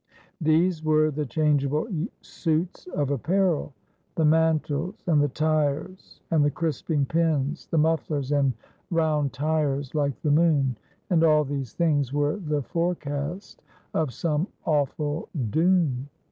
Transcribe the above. These were the ' changeable suits of apparel, the mantles, and the tires, and the crisping pins, the mufflers, and rovmd tires like the moon ;' and all these things 208 Asjoliodel. were the forecast of some awful doom.